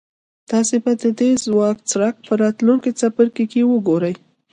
تاسې به د دې ځواک څرک په راتلونکي څپرکي کې وګورئ.